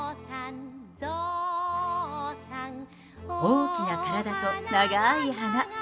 大きな体と長い鼻。